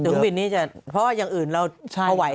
เครื่องบินนี้จะเพราะว่าอย่างอื่นเราพอไหว